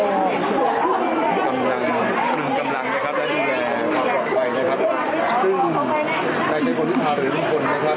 เดินทางมาถึงจังหวังที่แวร์มาตั้งแต่เวลา๓๖นาทีมานะครับ